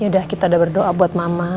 yaudah kita berdoa buat mama